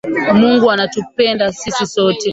Mungu anatupenda sisi sote